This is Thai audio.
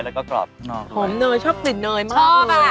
แล้วก็กรอบหอมเนยชอบกลิ่นเนยมากเลย